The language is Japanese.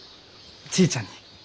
ちぃちゃんに。